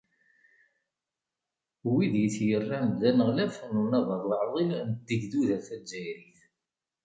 Wid i t-yerran d aneɣlaf n Unabad Uɛḍil n Tegduda Tazzayrit.